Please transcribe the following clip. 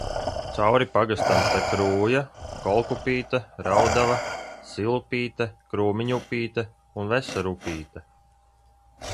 Cauri pagastam tek Rūja, Kolkupīte, Raudava, Silupīte, Krūmiņupīte un Veserupīte.